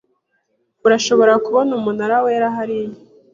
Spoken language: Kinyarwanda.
Urashobora kubona umunara wera hariya.